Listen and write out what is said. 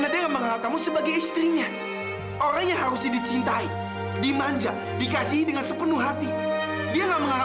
dia juga pernah menabjadikan dia menjadi faitesology